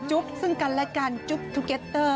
ซึ่งกันและกันจุ๊บทูเก็ตเตอร์